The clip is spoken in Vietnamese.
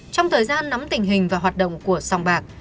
trong thời gian nắm tình hình và hoạt động của sòng bạc